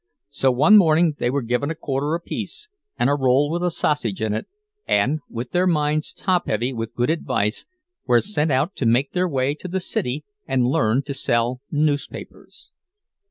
So one morning they were given a quarter apiece and a roll with a sausage in it, and, with their minds top heavy with good advice, were sent out to make their way to the city and learn to sell newspapers.